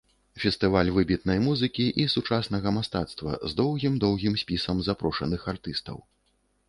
Фестываль выбітнай музыкі і сучаснага мастацтва, з доўгім-доўгім спісам запрошаных артыстаў.